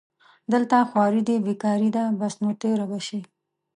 دلته خواري دې بېکاري ده بس نو تېره به شي